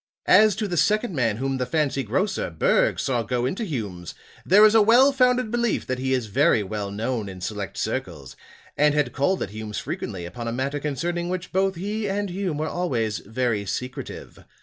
"As to the second man whom the fancy grocer, Berg, saw go into Hume's, there is a well founded belief that he is very well known in select circles and had called at Hume's frequently upon a matter concerning which both he and Hume were always very secretive.